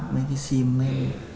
mấy cái sim mê